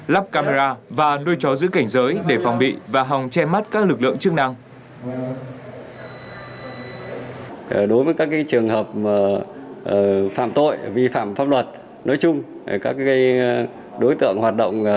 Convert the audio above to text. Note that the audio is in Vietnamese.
lắp camera và nuôi chó giữ cảnh giới để phòng bị và hòng che mắt các lực lượng chức năng